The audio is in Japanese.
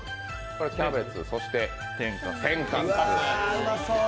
キャベツ、そして天かす。